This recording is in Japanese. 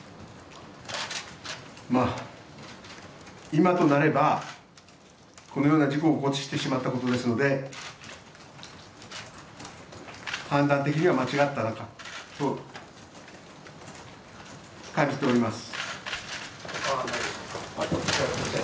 今となれば、このような事故を起こしてしまったことですので判断的には間違ったと感じております。